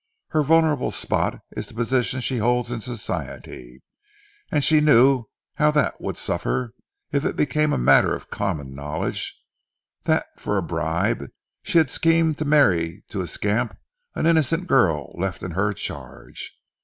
Her vulnerable spot is the position she holds in society, and she knew how that would suffer if it became a matter of common knowledge that for a bribe she had schemed to marry to a scamp an innocent girl left in her charge.